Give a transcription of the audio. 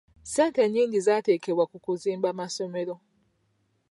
Ssente nnyingi zaateekebwa ku kuzimba masomero.